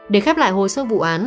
để khép lại hồ sơ vụ án